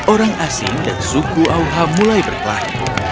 orang asing dan suku auha mulai berkelahi